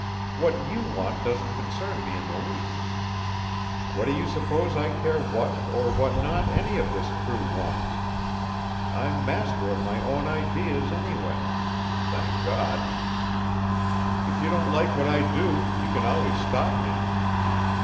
What you want doesn't concern me in the least. What do you suppose I care what, or what not, any of this crew wants? I'm master of my own ideas, anyway, thank God. If you don't like what I do, you can always stop me."